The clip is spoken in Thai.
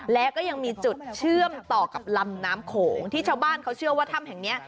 และก็ยังมีจุดเชื่อมต่อกับลำน้ำโขงที่ชาวบ้านเขาเชื่อว่าถ้ำแห่งนี้